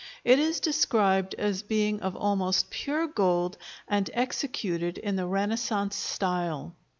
It is described as being of almost pure gold and executed in the Renaissance style.